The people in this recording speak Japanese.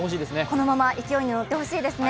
このまま勢いに乗ってほしいですね。